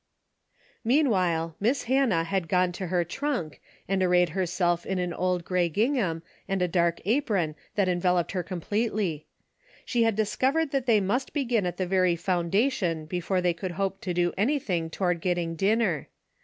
Meanwhile Miss Hannah had gone to her trunk and arrayed herself in an old grey ging ham and a dark apron that enveloped her completely. She had discovered that they must begin at the very foundation before they could hope to do anything toward getting dinner.